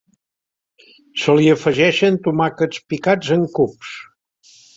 Se li afegeixen tomàquets picats en cubs.